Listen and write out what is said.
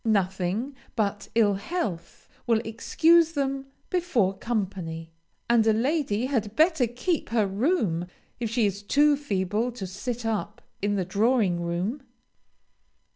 Nothing but ill health will excuse them before company, and a lady had better keep her room if she is too feeble to sit up in the drawing room.